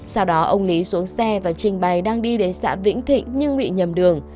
sau đó ông lý xuống xe và trình bày đang đi đến xã vĩnh thịnh nhưng bị nhầm đường